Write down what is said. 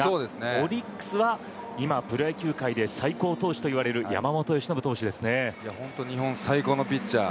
オリックスは今、プロ野球界で最高投手といわれる日本最高のピッチャー。